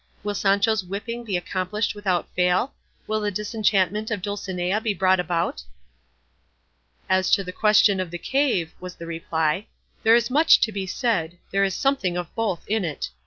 Will Sancho's whipping be accomplished without fail? Will the disenchantment of Dulcinea be brought about?" "As to the question of the cave," was the reply, "there is much to be said; there is something of both in it.